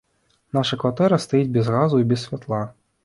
Наша кватэра стаіць без газу і без святла.